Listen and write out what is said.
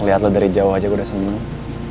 liat lo dari jauh aja gue udah seneng